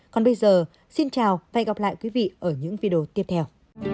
còn bây giờ xin chào và hẹn gặp lại quý vị ở những video tiếp theo